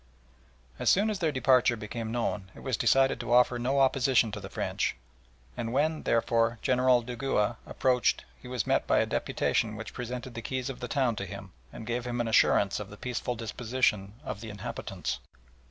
As soon as their departure became known it was decided to offer no opposition to the French, and when, therefore, General Dugua approached he was met by a deputation which presented the keys of the town to him, and gave him an assurance of the peaceful disposition of the inhabitants.